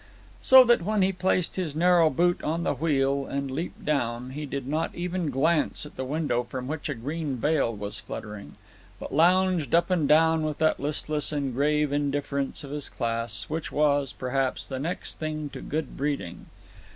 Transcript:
So that when he placed his narrow boot on the wheel and leaped down, he did not even glance at the window from which a green veil was fluttering, but lounged up and down with that listless and grave indifference of his class, which was, perhaps, the next thing to good breeding.